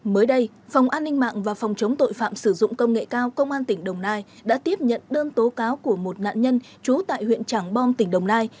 mới đây phòng an ninh mạng và phòng chống tội phạm sử dụng công nghệ cao công an tỉnh đồng nai đã tiếp nhận đơn tố cáo của một nạn nhân trú tại huyện trảng bom tỉnh đồng nai